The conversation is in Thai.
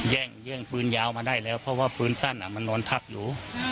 แย่งปืนยาวมาได้แล้วเพราะว่าปืนสั้นมันนอนทับอยู่